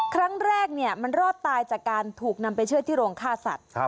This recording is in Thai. ครั้งแรกมันรอดตายจากการถูกนำไปเชื่อที่โรงฆ่าสัตว์